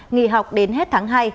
nghỉ học đến hết tháng hai